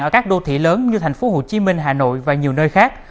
ở các đô thị lớn như thành phố hồ chí minh hà nội và nhiều nơi khác